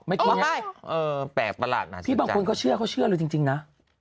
ไม่ค่อยแปลกประหลาดนะพี่บางคนเขาเชื่อเขาเชื่อเลยจริงนะ